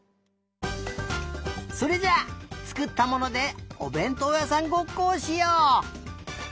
それじゃあつくったものでおべんとうやさんごっこをしよう！